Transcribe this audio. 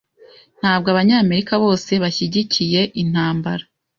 Ntabwo Abanyamerika bose bashyigikiye intambara.